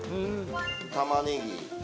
玉ねぎ